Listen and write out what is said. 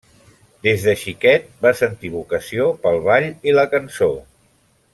Des de xiquet va sentir vocació pel ball i la cançó.